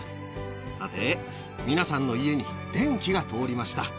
さて、皆さんの家に電気が通りました。